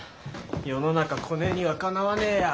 世の中コネにはかなわねえや。